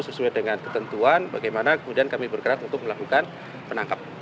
sesuai dengan ketentuan bagaimana kemudian kami bergerak untuk melakukan penangkapan